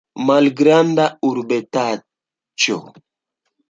Malgranda urbetaĉo.